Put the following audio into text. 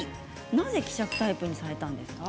なぜ希釈タイプにされたんですか。